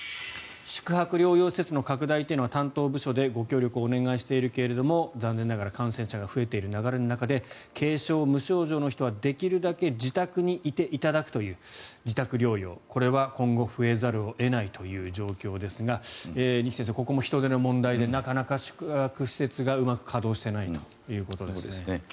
宿泊療養施設の拡大というのは担当部署でご協力をお願いしているけれども残念ながら感染者が増えている流れの中で軽症・無症状の方はできるだけ自宅にいていただくという自宅療養、これは今後増えざるを得ないという状況ですが二木先生、ここも人手の問題でなかなか宿泊施設がうまく稼働していないということですね。